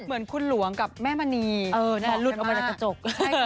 เหมือนคุณหลวงกับแม่มณีเหมือนหลุดออกมาจากกระจก